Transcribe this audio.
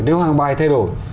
nếu hàng bài thay đổi